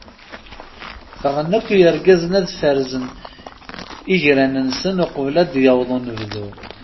Ffɣen akk yergazen ad berzen igran-nsen uqbel ad d-yaweḍ unebdu.